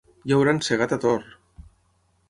Ja hauran segat a Tor!